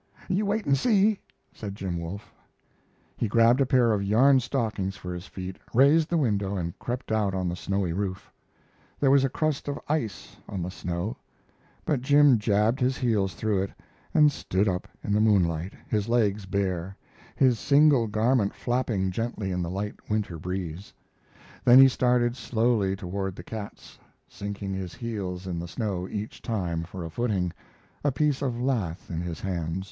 "You wait and see," said Jim Wolfe. He grabbed a pair of yarn stockings for his feet, raised the window, and crept out on the snowy roof. There was a crust of ice on the snow, but Jim jabbed his heels through it and stood up in the moonlight, his legs bare, his single garment flapping gently in the light winter breeze. Then he started slowly toward the cats, sinking his heels in the snow each time for a footing, a piece of lath in his hand.